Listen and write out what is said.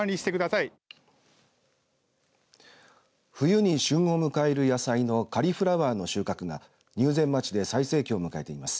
冬に旬を迎える野菜のカリフラワーの収穫が入善町で最盛期を迎えています。